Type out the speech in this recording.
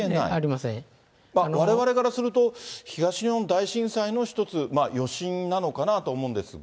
われわれからすると、東日本大震災の一つ、余震なのかなと思うんですが。